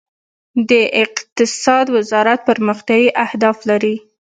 د اقتصاد وزارت پرمختیايي اهداف لري؟